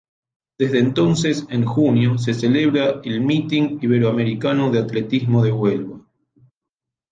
Desde entonces, en junio, se celebra el "Meeting iberoamericano de Atletismo de Huelva".